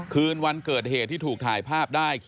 คืนวันเกิดเหตุที่ถูกถ่ายภาพได้